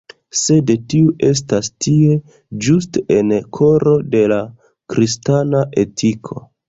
Sed tiu estas tie, ĝuste en “koro de la kristana etiko”.